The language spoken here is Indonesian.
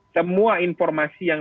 semua informasi yang